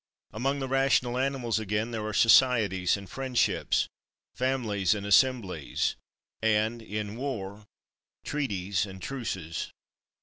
Among the rational animals, again, there are societies and friendships, families and assemblies; and, in war, treaties and truces.